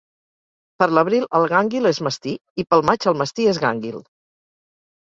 Per l'abril el gànguil és mastí i pel maig el mastí és gànguil.